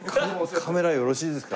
カメラよろしいですか？